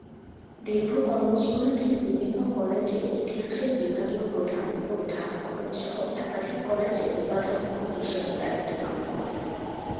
দীর্ঘ কর্মজীবনে তিনি বিভিন্ন কলেজে ইতিহাসের বিভাগীয় প্রধান এবং ঢাকা কলেজ সহ একাধিক কলেজের উপাধ্যক্ষ হিসাবে দায়িত্ব পালন করেন।